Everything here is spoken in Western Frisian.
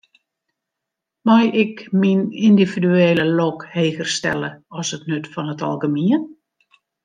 Mei ik myn yndividuele lok heger stelle as it nut fan it algemien?